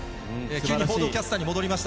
急に報道キャスターに戻りました。